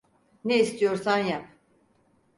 Ne istiyorsan yap.